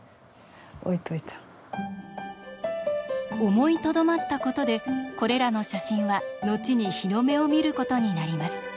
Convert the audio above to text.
思いとどまったことでこれらの写真は後に日の目を見ることになります。